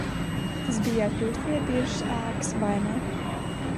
Tas bijāt Jūs pie biržas ēkas, vai ne?